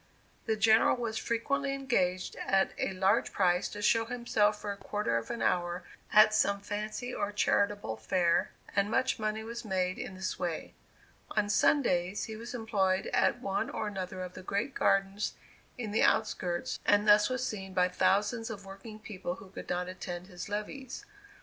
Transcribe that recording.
The General was frequently engaged at a large price to show himself for a quarter of an hour at some fancy or charitable fair, and much money was made in this way. On Sundays, he was employed at one or another of the great gardens in the outskirts, and thus was seen by thousands of working people who could not attend his levees.